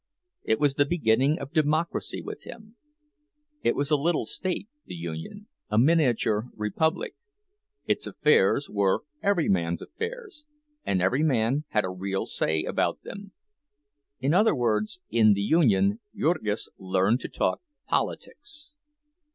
It was the beginning of democracy with him. It was a little state, the union, a miniature republic; its affairs were every man's affairs, and every man had a real say about them. In other words, in the union Jurgis learned to talk politics.